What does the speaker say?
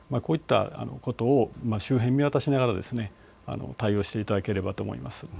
こういったこと、周辺を見渡しながら対応していただければと思います。